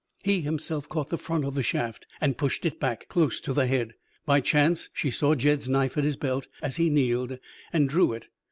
He himself caught the front of the shaft and pushed it back, close to the head. By chance she saw Jed's knife at his belt as he kneeled, and drew it.